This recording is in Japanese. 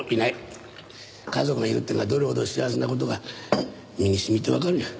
家族がいるっていうのがどれほど幸せな事か身に染みてわかる。